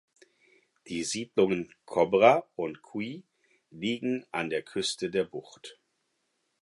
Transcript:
Die Siedlungen Kobra und Kui liegen an der Küste der Bucht.